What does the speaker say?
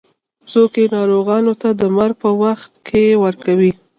څوک یې ناروغانو ته د مرګ په وخت کې ورکوي.